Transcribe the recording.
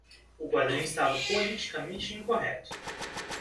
O quadrinho estava politicamente incorreto.